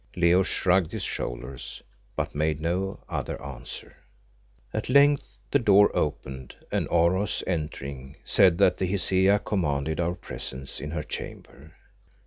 Leo shrugged his shoulders but made no other answer. At length the door opened, and Oros, entering, said that the Hesea commanded our presence in her chamber.